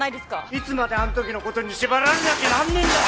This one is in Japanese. いつまであの時の事に縛られなきゃなんねえんだよ！